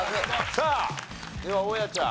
さあでは大家ちゃん。